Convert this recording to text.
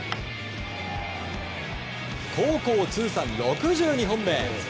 高校通算６２本目。